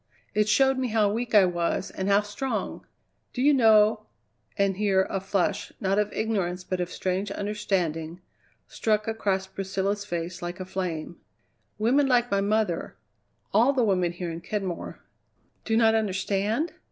It showed me how weak I was, and how strong. Do you know" and here a flush, not of ignorance, but of strange understanding, struck across Priscilla's face like a flame "women like my mother, all the women here in Kenmore, do not understand?